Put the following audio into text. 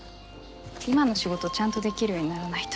今の仕事ちゃんとできるようにならないと。